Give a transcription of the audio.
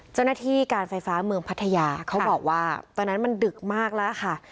เจ้าหน้าที่การไฟฟ้าเมืองพัทยาเขาบอกว่าตอนนั้นมันดึกมากแล้วค่ะ